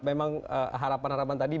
memang harapan harapan tadi